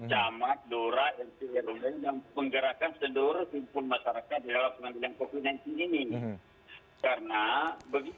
jamaat dorak lcr dan menggerakkan seluruh timbul masyarakat di dalam pengendalian covid sembilan belas ini